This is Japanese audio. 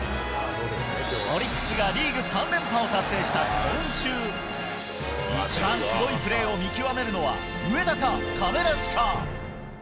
オリックスがリーグ３連覇を達成した今週、一番すごいプレーを見極めるのは、上田か、亀梨か。